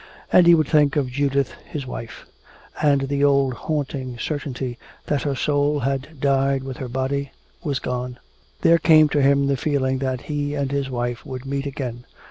And he would think of Judith his wife. And the old haunting certainty, that her soul had died with her body, was gone. There came to him the feeling that he and his wife would meet again.